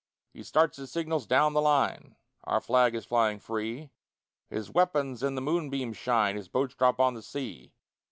He starts his signals down the line Our flag is flying free His weapons in the moonbeams shine, His boats drop on the sea.